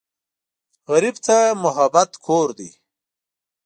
غریب ته محبت کور دی